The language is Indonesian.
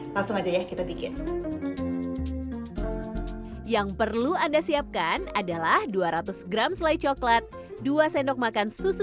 langsung aja ya kita bikin yang perlu anda siapkan adalah dua ratus gram selai coklat dua sendok makan susu